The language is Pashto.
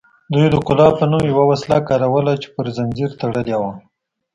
دوی د قلاب په نوم یوه وسله کاروله چې پر زنځیر تړلې وه